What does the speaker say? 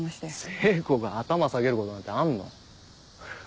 聖子が頭下げることなんてあんの？